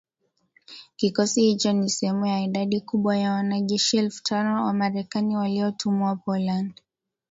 Kikosi hicho ni sehemu ya idadi kubwa ya wanajeshi elfu tano wa Marekani waliotumwa Poland